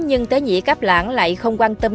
nhưng tế nhĩ cáp lãng lại không quan tâm